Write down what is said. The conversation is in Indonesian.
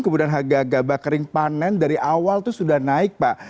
kemudian harga gabah kering panen dari awal itu sudah naik pak